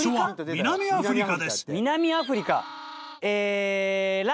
南アフリカ？